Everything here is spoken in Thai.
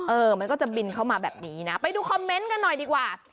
มันก็จะบินเข้ามาแบบนี้นะไปดูคอมเมนต์กันหน่อยดีกว่า